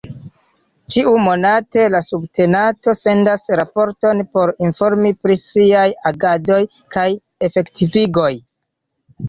Ĉiumonate la subtenato sendas raporton por informi pri siaj agadoj kaj efektivigoj.